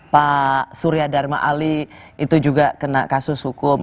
pak surya dharma ali itu juga kena kasus hukum